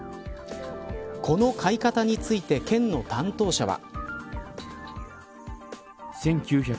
この買い方について県の担当者は。